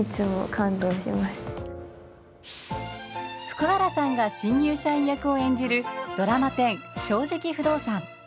福原さんが新入社員役を演じるドラマ１０「正直不動産」。